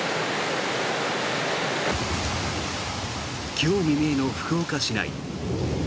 今日未明の福岡市内。